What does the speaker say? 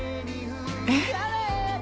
えっ？